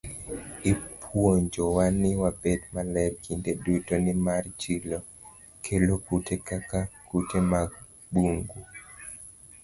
Ipuonjowa ni wabed maler kinde duto, nimar chilo kelo kute kaka kute mag bungu.